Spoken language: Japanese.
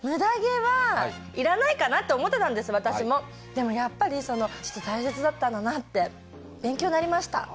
でもやっぱり大切だったんだなって勉強になりました。